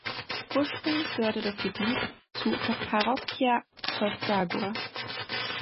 Ursprünglich gehörte das Gebiet zur Parroquia Tosagua.